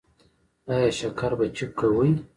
ایا شکر به چیک کوئ؟